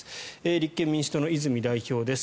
立憲民主党の泉代表です。